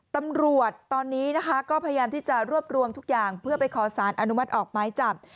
ตำรวจตอนนี้นะคะก็พยายามที่จะรวบรวมทุกอย่างเพื่อไปขอสารอนุมัติออกไม้จับ